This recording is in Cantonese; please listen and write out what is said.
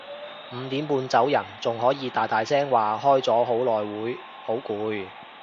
五點半走人仲可以大大聲話開咗好耐會好攰